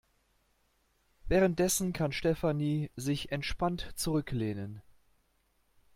Währenddessen kann Stefanie sich entspannt zurücklehnen.